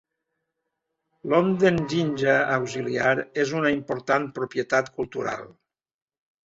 L'honden jinja auxiliar és una important propietat cultural.